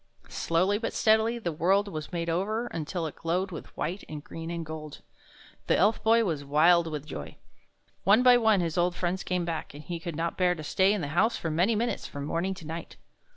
Slowly but steadily the world was made over, until it glowed with white and green and gold. The Elf Boy was wild with joy. One by one his old friends came back, and he could not bear to stay in the house for many minutes from morning to night.